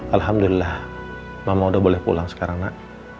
alhamdulillah mama udah boleh pulang sekarang nak